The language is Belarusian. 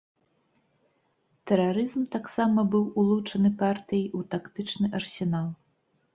Тэрарызм, таксама быў улучаны партыяй у тактычны арсенал.